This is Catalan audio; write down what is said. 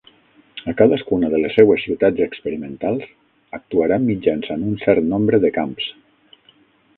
A cadascuna de les seues ciutats experimentals, actuarà mitjançant un cert nombre de camps.